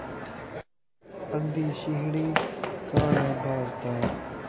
اندھی شینھݨی، کاݨا باز دار